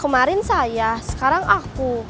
kemarin saya sekarang aku